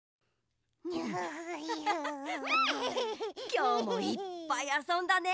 きょうもいっぱいあそんだね。